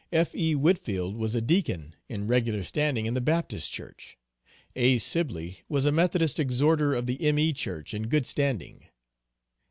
F.E. Whitfield was a deacon in regular standing in the Baptist Church. A. Sibley was a Methodist exhorter of the M.E. Church in good standing.